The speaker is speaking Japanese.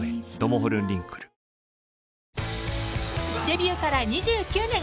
［デビューから２９年。